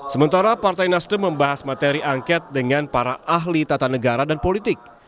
sementara partai nasdem membahas materi angket dengan para ahli tata negara dan politik